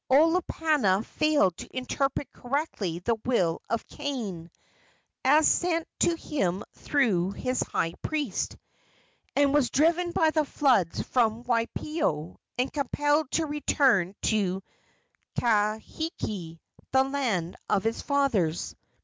Olopana failed to interpret correctly the will of Kane, as sent to him through his high priest, and was driven by the floods from Waipio, and compelled to return to Kahiki, the land of his fathers."